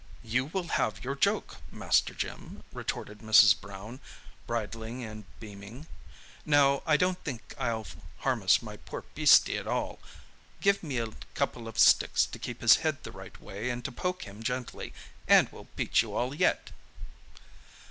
"You will have your joke, Master Jim," retorted Mrs. Brown, bridling and beaming. "Now, I don't think I'll harness my poor beastie at all. Give me a couple of sticks to keep his head the right way and to poke him gently, and we'll beat you all yet!"